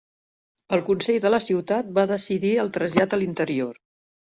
El Consell de la Ciutat va decidir el trasllat a l'interior.